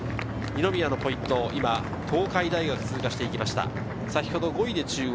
二宮のポイントを今、東海大が通過していきました。